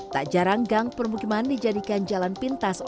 tak jarang gang permukiman dijadikan jalan pintas